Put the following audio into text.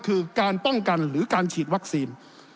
คือการป้องกันหรือการฉีดวัคซีน